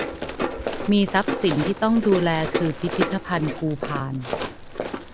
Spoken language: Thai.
มีทรัพย์สินที่ต้องดูแลคือพิพิธภัณฑ์ภูพาน